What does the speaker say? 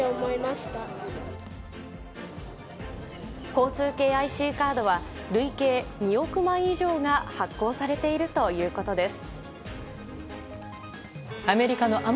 交通系ＩＣカードは累計２億枚以上が発行されているということです。